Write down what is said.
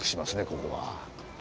ここは。